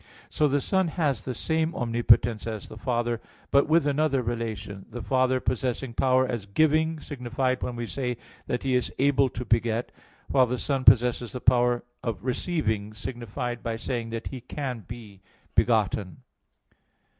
So the Son has the same omnipotence as the Father, but with another relation; the Father possessing power as "giving" signified when we say that He is able to beget; while the Son possesses the power of "receiving," signified by saying that He can be begotten.